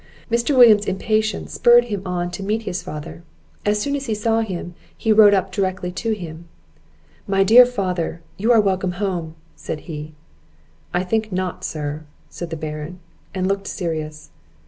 Mr. William's impatience spurred him on to meet his father; as soon as he saw him, he rode up directly to him. "My dear father, you are welcome home!" said he. "I think not, sir," said the Baron, and looked serious.